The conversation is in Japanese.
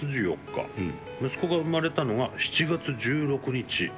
息子が生まれたのが７月１６日」。